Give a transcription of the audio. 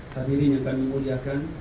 hadirin yang kami muliakan